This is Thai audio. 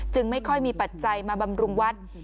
ไม่ค่อยมีปัจจัยมาบำรุงวัด